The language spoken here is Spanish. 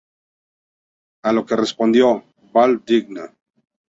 A lo que respondió: "Vall digna".